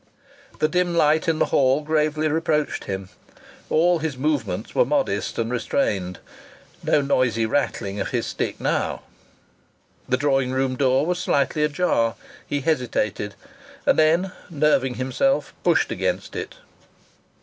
The dim light in the hall gravely reproached him. All his movements were modest and restrained. No noisy rattling of his stick now! The drawing room door was slightly ajar. He hesitated, and then, nerving himself, pushed against it.